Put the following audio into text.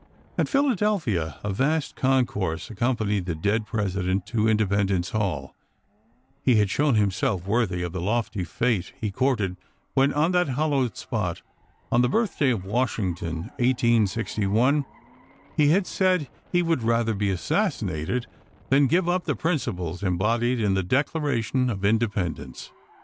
At Phila delphia a vast concourse accompanied the dead President to Independence Hall; he had shown himself worthy of the lofty fate he courted when, on that hallowed spot, on the birthday of Washing ton, 1861, he had said he would rather be assas sinated than give up the principles embodied in the Declaration of Independence.